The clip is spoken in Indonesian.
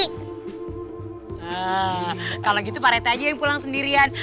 nah kalau gitu pak rete aja yang pulang sendirian